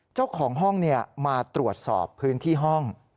เจ้าของห้องมาตรวจสอบพื้นที่ห้อง